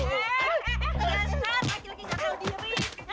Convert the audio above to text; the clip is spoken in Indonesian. sekarang lagi lagi gatel dia wih